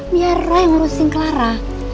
biar roy ngurusin clara